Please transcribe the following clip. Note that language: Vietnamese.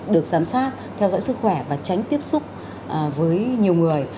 được giám sát theo dõi sức khỏe và tránh tiếp xúc với nhiều người